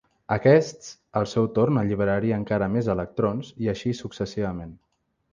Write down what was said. Aquests al seu torn alliberaria encara més electrons, i així successivament.